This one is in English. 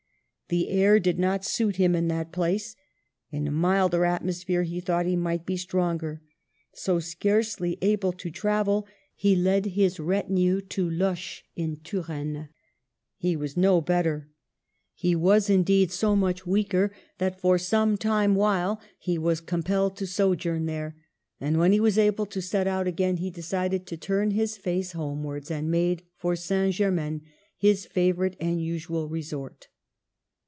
The air did not suit him in that place. In a milder atmosphere he thought he might be stronger; so, scarcely able to travel, he led his retinue to Loches in Touraine. He was no better. He was indeed so much weaker that DEATH OF THE KING. 289 for some while he was compelled to sojourn there ; and when he was able to set out again, he decided to turn his face homewards, and made for St. Germain, his favorite and usual resort.